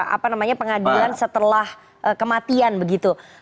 apa namanya pengadilan setelah kematian begitu